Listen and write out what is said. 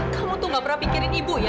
kamu tuh gak pernah pikirin ibu ya